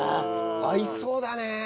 合いそうだね